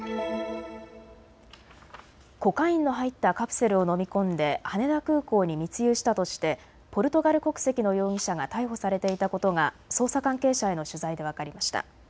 コカインの入ったカプセルを飲み込んで羽田空港に密輸したとしてポルトガル国籍の容疑者が逮捕されていたことが捜査関係者への取材で分かりました。